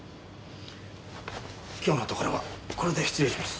今日のところはこれで失礼します。